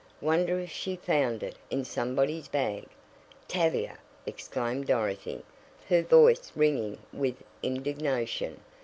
"Wonder if she found it in somebody's bag?" "Tavia!" exclaimed Dorothy, her voice ringing with indignation.